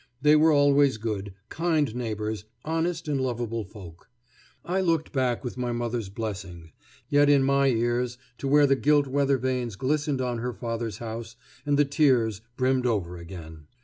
They were always good, kind neighbors, honest and lovable folk. I looked back with my mother's blessing yet in my ears, to where the gilt weather vanes glistened on her father's house, and the tears brimmed over again.